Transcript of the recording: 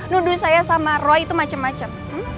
nuduh saya sama roy itu macem macem